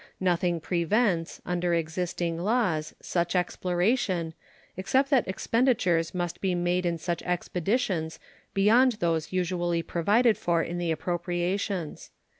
Nothing prevents, under existing laws, such exploration, except that expenditures must be made in such expeditions beyond those usually provided for in the appropriations.